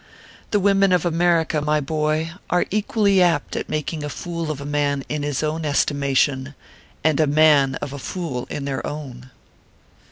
The women of America, my boy, are equally apt at mak ing a fool of a man in his own estimation, and a man of a fool in their own.